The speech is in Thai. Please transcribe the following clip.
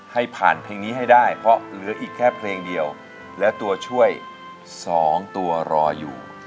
ให้ผ่านเพลงนี้ให้ได้เพราะเหลืออีกแค่เพลงเดียวและตัวช่วย๒ตัวรออยู่